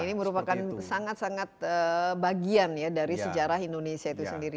ini merupakan sangat sangat bagian ya dari sejarah indonesia itu sendiri